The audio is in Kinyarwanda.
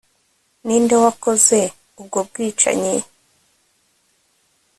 Ninde wakoze ubwo bwicanyi